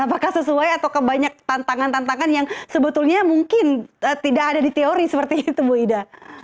apakah sesuai atau kebanyak tantangan tantangan yang sebetulnya mungkin tidak ada di teori seperti itu bu ida